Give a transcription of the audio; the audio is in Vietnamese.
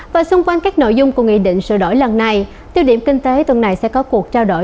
và xung quanh các nội dung của nghị định sửa đổi lần này tiêu điểm kinh tế tuần này sẽ có cuộc trao đổi